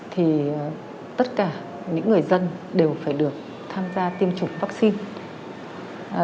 thì tất cả những người dân đều phải được tham gia tiêm chủng vaccine